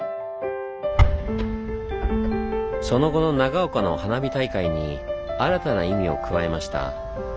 その後の長岡の花火大会に新たな意味を加えました。